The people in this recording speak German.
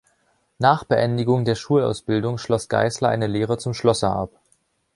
Nach Beendigung der Schulausbildung schloss Geisler eine Lehre zum Schlosser ab.